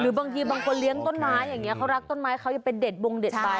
บางทีบางคนเลี้ยงต้นไม้อย่างนี้เขารักต้นไม้เขายังเป็นเด็ดบงเด็ดไป